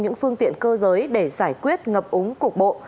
những phương tiện cơ giới để giải quyết ngập úng cục bộ